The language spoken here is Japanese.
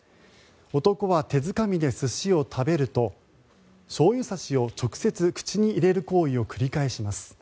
男は手づかみで寿司を食べるとしょうゆ差しを直接口に入れる行為を繰り返します。